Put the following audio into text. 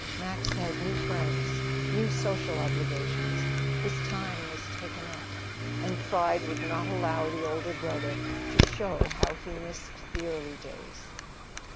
Max had new friends, new social obligations; his time was taken up. And pride would not allow the older brother to show how he missed the early days.